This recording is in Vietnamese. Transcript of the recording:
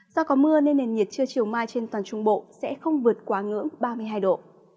do có mưa nên nền nhiệt chưa chiều mai trên toàn trung bộ sẽ không vượt quá ngưỡng ba mươi hai độ